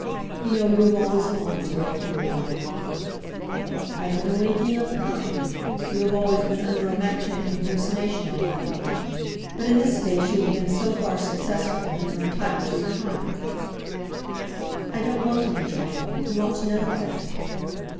"You know you have always longed to make her your wife." "I don't know anything of the kind. You have always been under a match making hallucination on that point. But in this case you have been so far successful, and are entitled to your triumph." "I don't want any triumph; you ought to know that."